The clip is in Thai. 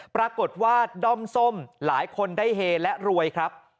ปรากฏว่าด้อมส้มหลายคนได้เฮและรวยครับ